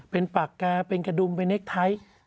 เป็นปากกาเป็นกระดุมเป็นเน็กไทท์